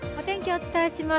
お伝えします。